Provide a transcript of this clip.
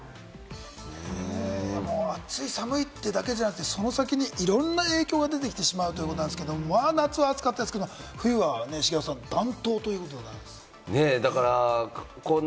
暑い、寒いってだけじゃなくて、その先にいろんな影響が出てきてしまうってことなんですけれども、まぁ夏は暑かったですけれども、冬は暖冬ということでございます、茂雄さん。